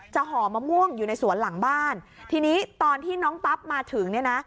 ห่อมะม่วงอยู่ในสวนหลังบ้านทีนี้ตอนที่น้องปั๊บมาถึงเนี่ยนะ